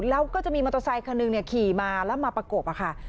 แล้วก็จะมีมอเตอร์ไซคันหนึ่งขี่มาแล้วมาประกบค่ะ